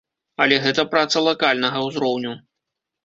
Але гэта праца лакальнага ўзроўню.